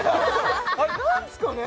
あれ何すかね